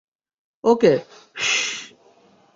ওকে, শশশ।